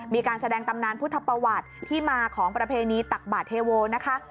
มีการแสดงตำนานพุทธประวัติที่มาของประเพณีตักบาทเทโวนะคะ